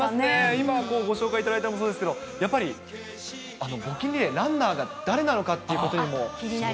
今ご紹介いただいたのもそうですけど、やっぱり、ランナーが誰なのかっていうことも。